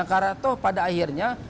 karena toh pada akhirnya